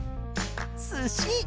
すし。